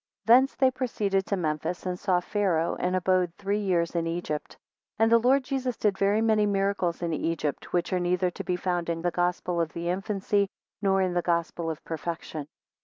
12 Thence they proceeded to Memphis, and saw Pharoah, and abode three years in Egypt. 13 And the Lord Jesus did very many miracles, in Egypt, which are neither to be found in Gospel of the Infancy nor in the Gospel of Perfection.